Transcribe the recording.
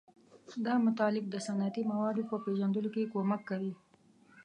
دا مطالب د صنعتي موادو په پیژندلو کې کومک کوي.